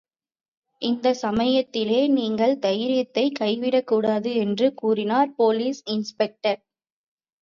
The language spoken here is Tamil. இந்தச் சமயத்திலே நீங்கள் தைரியத்தைக் கைவிடக்கூடாது என்று கூறினார் போலீஸ் இன்ஸ்பெக்டர்.